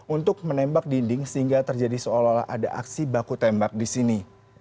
untuk menembak dinding sehingga terjadi seolah olah ada aksi baku tembak di sini